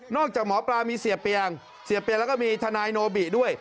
จากหมอปลามีเสียเปียงเสียเปียงแล้วก็มีทนายโนบิด้วย